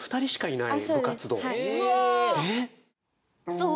そう。